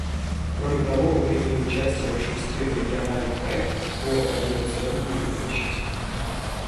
Кроме того, мы приняли участие в шести региональных проектах по радиационной защите.